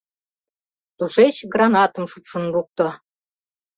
Тушеч гранатым шупшын лукто.